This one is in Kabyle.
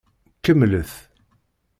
Kemmlet.